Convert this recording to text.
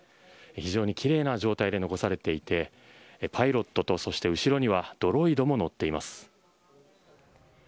非常にきれいな状態で残されていてパイロットと、そして後ろにはドロイドも乗っています。